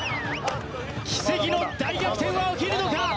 奇跡の大逆転は起きるのか？